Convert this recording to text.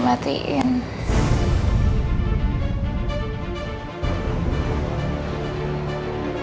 maaf ya jess saya gak bisa